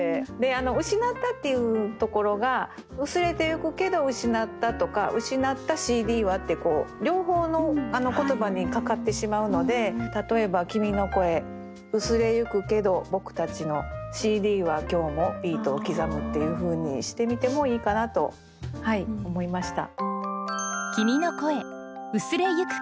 「失った」っていうところが「薄れてゆくけど失った」とか「失ったＣＤは」って両方の言葉にかかってしまうので例えば「君の声薄れゆくけど僕たちのＣＤは今日もビートを刻む」っていうふうにしてみてもいいかなと思いました。